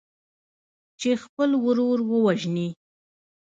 چې خپل ورور ووژني.